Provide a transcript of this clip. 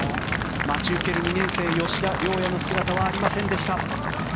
待ち受ける２年生、吉田椋哉の姿はありませんでした。